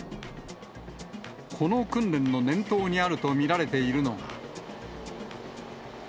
この訓練の念頭にあると見られているのが。